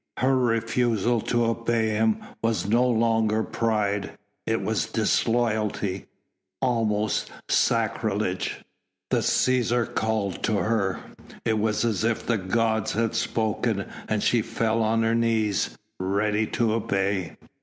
Her refusal to obey him was no longer pride, it was disloyalty almost sacrilege. The Cæsar called to her! It was as if the gods had spoken, and she fell on her knees, ready to obey.